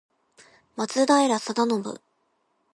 松平定信